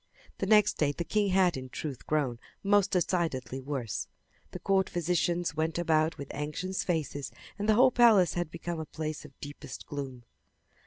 The next day the king had in truth grown most decidedly worse. The court physicians went about with anxious faces and the whole palace had become a place of deepest gloom.